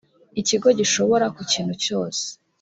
ikigo gishobora ku kintu cyose